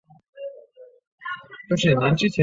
先秦史专家。